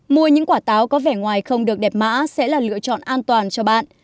mua những quả táo có vẻ ngoài không được đẹp mã sẽ là lựa chọn an toàn cho bạn